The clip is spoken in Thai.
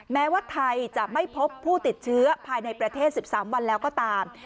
แม้ว่าไทยจะไม่พบผู้ติดเชื้อภายในประเทศ๑๓วันแล้วก็ตาม